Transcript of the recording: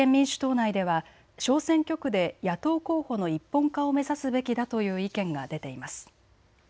内では小選挙区で野党候補の一本化を目指すべきだという意見が出ています。